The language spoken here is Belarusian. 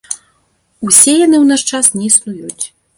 Усе яны ў наш час не існуюць.